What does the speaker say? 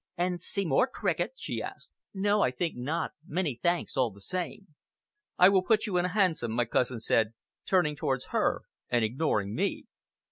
"And see more cricket?" she asked. "No! I think not many thanks all the same!" "I will put you in a hansom," my cousin said, turning towards her and ignoring me.